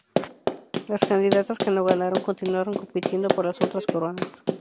Las candidatas que no ganaron continuaron compitiendo por las otras coronas.